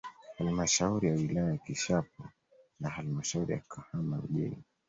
Halmashauri ya wilaya ya Kishapu na halamshauri ya Kahama mjini